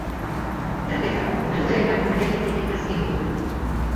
Tarteka, malutaren bat ager liteke azken orduan.